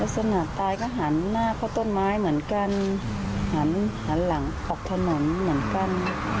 สงตายก็หันหน้าเข้าต้นไม้เหมือนกันหันหลังออกถนนเหมือนกัน